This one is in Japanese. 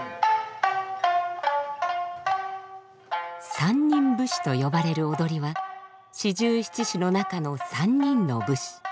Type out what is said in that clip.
「三人武士」と呼ばれる踊りは四十七士の中の３人の武士。